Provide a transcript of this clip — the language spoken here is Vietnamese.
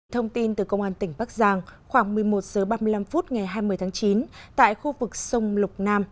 thông tin từ công an tỉnh bắc giang khoảng một mươi một h ba mươi năm phút ngày hai mươi tháng chín tại khu vực sông lục nam